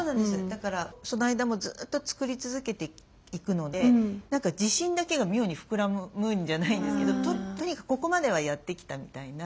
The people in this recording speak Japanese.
だからその間もずっと作り続けていくので何か自信だけが妙に膨らむんじゃないんですけどとにかくここまではやって来たみたいな。